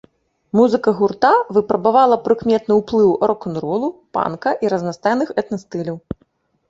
Музыка гурта выпрабавала прыкметны ўплыў рок-н-ролу, панка і разнастайных этна-стыляў.